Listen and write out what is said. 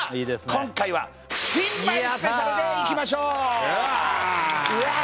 今回は新米スペシャルでいきましょうやったうわうわ